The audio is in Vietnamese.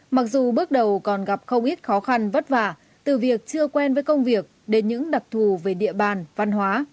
mặc dù bước đầu còn gặp không ít khó khăn vất vả từ việc chưa quen với công việc đến những đặc thù về địa bàn văn hóa